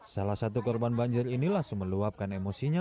salah satu korban banjir ini langsung meluapkan emosinya